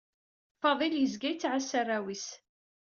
Faḍil yezga yettɛassa arraw-is.